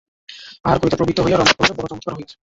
আহার করিতে প্রবৃত্ত হইয়া রমেশ কহিল, বড়ো চমৎকার হইয়াছে।